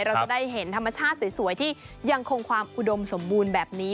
เราจะได้เห็นธรรมชาติสวยที่ยังคงความอุดมสมบูรณ์แบบนี้